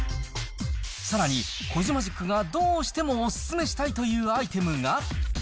さらにコジマジックがどうしてもお勧めしたいというアイテム